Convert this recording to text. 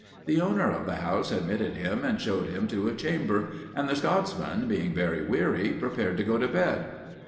The owner of the house admitted him and showed him to a chamber, and the Scotchman, being very weary, prepared to go to bed.